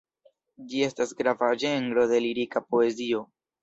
Ĝi estas grava ĝenro de lirika poezio.